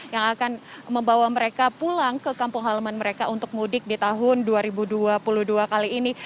yang akan membawa mereka pulang ke kampung halaman mereka untuk mudik di tahun dua ribu dua puluh dua kali ini